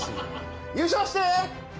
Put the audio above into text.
優勝してー！